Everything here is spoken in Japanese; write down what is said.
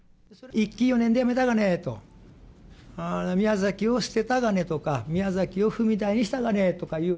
１期４年で辞めたがねと、宮崎を捨てたがねとか、宮崎を踏み台にしたがねとかいう。